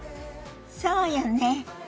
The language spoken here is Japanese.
そうよね。